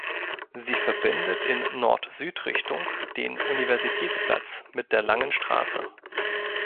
Sie verbindet in Nord-Süd-Richtung den Universitätsplatz mit der Langen Straße.